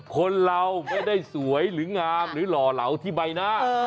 คนเราไม่ได้สวยหรืองามหรือหล่อเหลาที่ใบหน้า